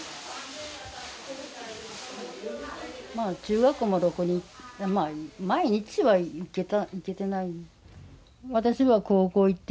中学校もろくに毎日は行けてない。